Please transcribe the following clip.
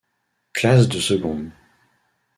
Classe de seconde.